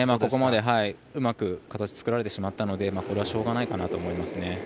ここまでうまく形を作られてしまったのでこれはしょうがないかなと思いますね。